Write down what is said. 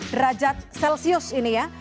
derajat celsius ini ya